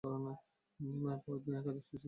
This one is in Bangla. পরদিন একাদশী ছিল।